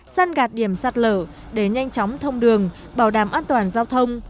săn gạt điểm sạt lở để nhanh chóng thông đường bảo đảm an toàn giao thông